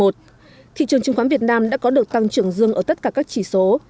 thị trường chứng khoán việt nam đã có được tăng trưởng dương ở tất cả các chỉ số